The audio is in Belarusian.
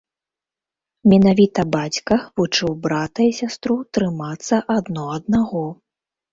Менавіта бацька вучыў брата і сястру трымацца адно аднаго.